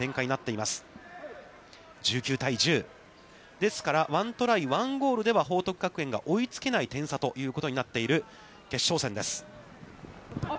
ですから、ワントライ、ワンゴールでは報徳学園が追いつけない点差ということになっている決勝戦です。